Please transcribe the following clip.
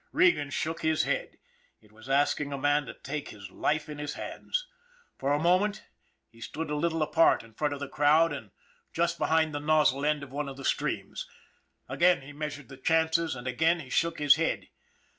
Regan shook his head it was asking a man to take his life in his hands. For the moment he THE BLOOD OF KINGS 203 stood a little apart in front of the crowd and just be hind the nozzle end of one of the streams. Again he measured the chances, and again he shook his head.